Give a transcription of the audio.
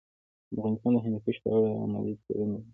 افغانستان د هندوکش په اړه علمي څېړنې لري.